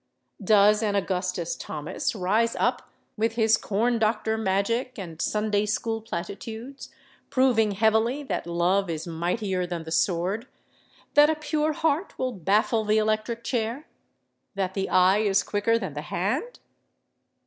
Does an Augustus Thomas rise up with his corn doctor magic and Sunday school platitudes, proving heavily that love is mightier than the sword, that a pure heart will baffle the electric chair, that the eye is quicker than the hand?